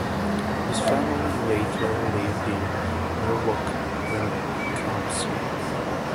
His family later lived in Milwaukee, Wisconsin.